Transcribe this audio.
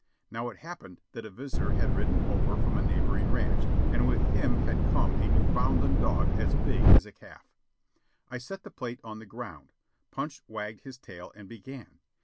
Now it happened that a visitor had ridden over from a neighboring ranch, and with him had come a Newfoundland dog as big as a calf. I set the plate on the ground. Punch wagged his tail and began.